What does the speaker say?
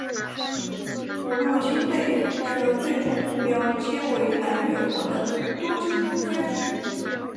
五路军队的最终目标皆为南越国的都城番禺。